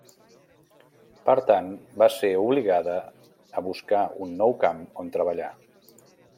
Per tant, va ser obligada a buscar un nou camp on treballar.